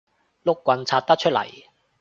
碌棍拆得出嚟